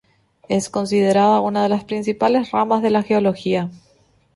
Es considerada una de las principales ramas de la geología.